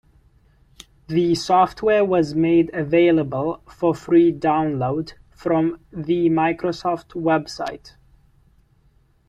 The software was made available for free download from the Microsoft website.